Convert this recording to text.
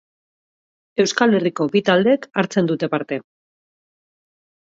Euskal Herriko bi taldek hartzen dute parte.